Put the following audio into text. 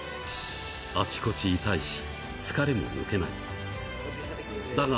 あちこち痛いし、疲れも抜けない。